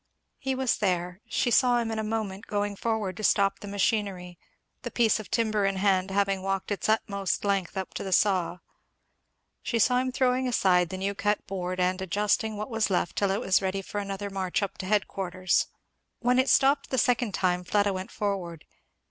He was there; she saw him in a moment going forward to stop the machinery, the piece of timber in hand having walked its utmost length up to the saw; she saw him throwing aside the new cut board, and adjusting what was left till it was ready for another march up to headquarters. When it stopped the second time Fleda went forward.